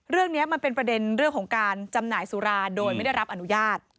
เรื่องนี้มันเป็นประเด็นเรื่องของการจำหน่ายสุราโดยไม่ได้รับอนุญาต